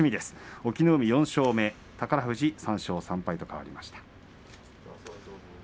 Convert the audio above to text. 隠岐の海４勝目宝富士３勝３敗と変わりました。